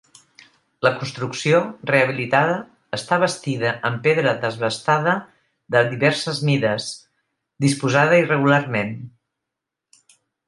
La construcció, rehabilitada, està bastida en pedra desbastada de diverses mides, disposada irregularment.